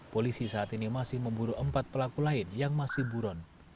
polisi saat ini masih memburu empat pelaku lain yang masih buron